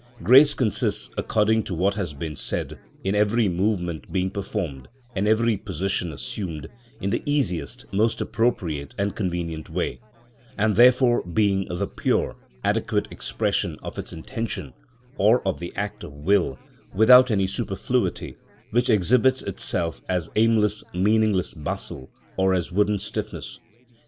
Grace consists, according to what has been said, in every movement being performed, and every position assumed, in the easiest, most appropriate and convenient way, and therefore being the pure, adequate expression of its intention, or of the act of will, without any superfluity, which exhibits itself as aimless, meaningless bustle, or as wooden stiffness.